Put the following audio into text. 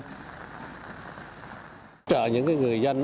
hỗ trợ những người dân